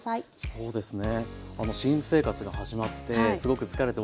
そうですね。